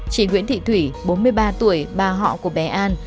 chị nguyễn thị thủy bốn mươi ba tuổi bà họ của bé an